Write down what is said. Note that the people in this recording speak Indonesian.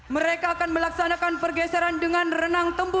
dan mereka akan melakukan pergeseran dengan renang tempur